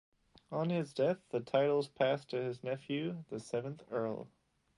On his death the titles passed to his nephew, the seventh Earl.